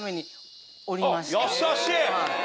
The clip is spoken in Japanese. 優しい！